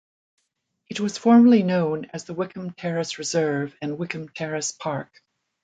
It was formerly known as the Wickham Terrace Reserve and Wickham Terrace Park.